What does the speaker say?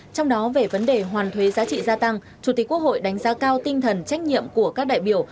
trong đó về vấn đề hoàn thuế giá trị gia tăng chủ tịch quốc hội đánh giá cao tinh thần trách nhiệm của các đại biểu